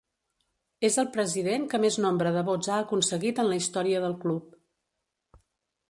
És el president que més nombre de vots ha aconseguit en la història del club.